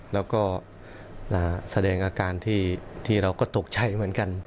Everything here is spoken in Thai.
แล้วก็แสดงอาการที่เราก็ตกใจเหมือนกัน